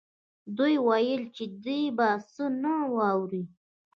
دوی ویل چې دی به څه نه واوري